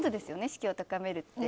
士気を高めるって。